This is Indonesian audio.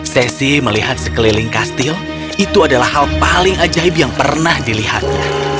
sesi melihat sekeliling kastil itu adalah hal paling ajaib yang pernah dilihatnya